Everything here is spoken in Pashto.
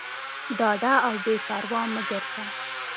ډاډه او بېپروا مه ګرځه.